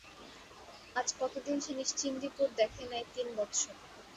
আজ কতদিন সে নিশ্চিন্দিপুর দেখে নাই-তি-ন বৎসর!